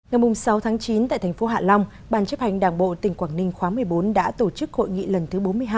ngày sáu chín tại thành phố hạ long bàn chấp hành đảng bộ tỉnh quảng ninh khóa một mươi bốn đã tổ chức hội nghị lần thứ bốn mươi hai